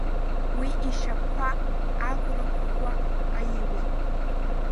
Уи ишьапқәа ахәра ӷәӷәа аиуеит.